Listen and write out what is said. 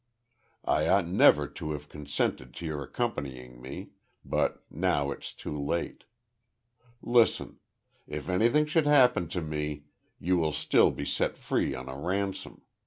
"I ought never to have consented to your accompanying me, but now it's too late. Listen. If anything should happen to me, you will still be set free on a ransom.